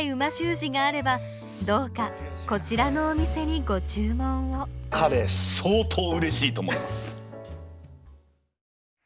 字があればどうかこちらのお店にご注文をかれ相当うれしいと思います。